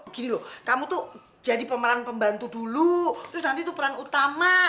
gini loh kamu tuh jadi pemeran pembantu dulu terus nanti itu peran utama